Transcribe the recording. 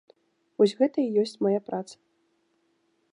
Вось гэта і ёсць мая праца.